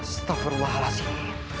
stafur walah sini